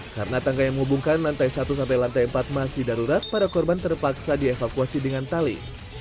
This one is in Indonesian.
karena tangga yang menghubungkan lantai satu sampai lantai empat masih darurat para korban terpaksa dievakuasi dengan tali